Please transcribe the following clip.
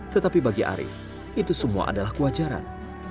tetapi bagi arief itu semua adalah kewajaran